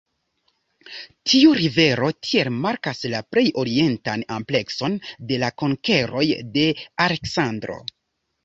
Tiu rivero tiel markas la plej orientan amplekson de la konkeroj de Aleksandro.